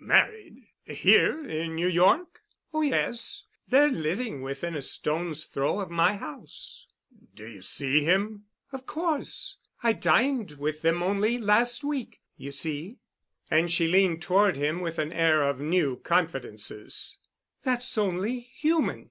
"Married? Here in New York?" "Oh, yes. They're living within a stone's throw of my house." "Do you see him?" "Of course. I dined with them only last week. You see," and she leaned toward him with an air of new confidences, "that's only human.